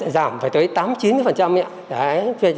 đảm phải tới tám chín nhé